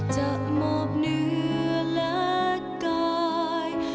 จะมอบเนื้อและกาย